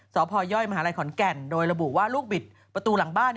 สพยมหาลัยขอนแก่นโดยระบุว่าลูกบิดประตูหลังบ้าน